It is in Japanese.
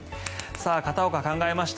片岡、考えました。